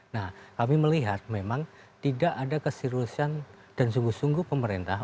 nah kami melihat memang tidak ada keseriusan dan sungguh sungguh pemerintah